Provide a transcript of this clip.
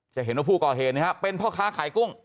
จะเห็นว่าผู้ก่อเหตุเป็นพ่อค้าขายกุ้ง